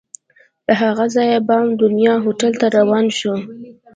له هغه ځایه بام دنیا هوټل ته روان شوو.